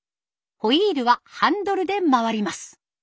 ホイールはハンドルで回ります。